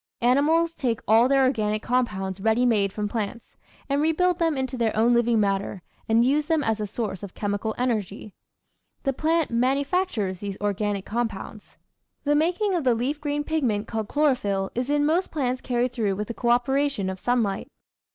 Animals take all their organic compounds ready made from plants, and rebuild them into their own living matter, and use them as a source of chemical energy. The plant manu factures these organic compounds. The making of the leaf green pigment called chlorophyll is in most plants carried through with 606 The Outline of Science the co operation of sunlight.